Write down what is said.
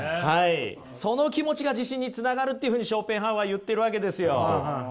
その気持ちが自信につながるっていうふうにショーペンハウアーは言ってるわけですよ。